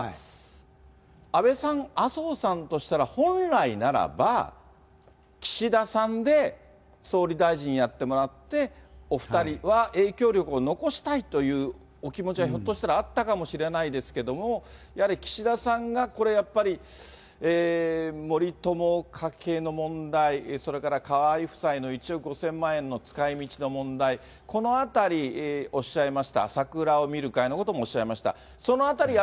安倍さん、麻生さんとしたら本来ならば、岸田さんで総理大臣やってもらって、お２人は影響力を残したいというお気持ちは、ひょっとしたらあったかもしれないですけど、やはり岸田さんがこれ、やっぱり森友・加計の問題、それから河井夫妻の１億５０００万円の使いみちの問題、このあたりおっしゃいました、桜を見る会のこともおっしゃいました。